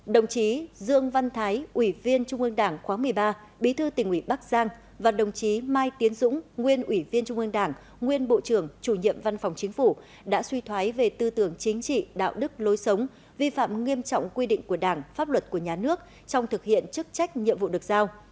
đồng chí dương văn thái ủy viên trung ương đảng khóa một mươi ba bí thư tỉnh ủy bắc giang và đồng chí mai tiến dũng nguyên ủy viên trung ương đảng nguyên bộ trưởng chủ nhiệm văn phòng chính phủ đã suy thoái về tư tưởng chính trị đạo đức lối sống vi phạm nghiêm trọng quy định của đảng pháp luật của nhà nước trong thực hiện chức trách nhiệm vụ được giao